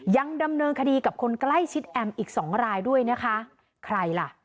ยังดำเนินคดีกับคนใกล้ชิดแอมอีกสองรายด้วยนะคะใครล่ะ